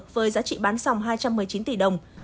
với giá trị bắn dòng hai trăm một mươi chín tỷ đồng